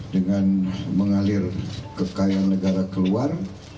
dengan mengalir kekayaan negara keluar